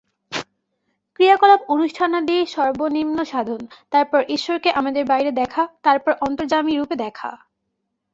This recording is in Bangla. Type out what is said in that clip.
ক্রিয়াকলাপ অনুষ্ঠানাদি সর্বনিম্ন সাধন, তারপর ঈশ্বরকে আমাদের বাইরে দেখা, তারপর অন্তর্যামিরূপে দেখা।